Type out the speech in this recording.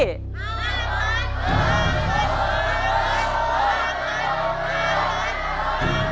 ฮาวะละพร